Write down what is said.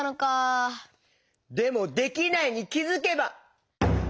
でも「できないに気づけば」？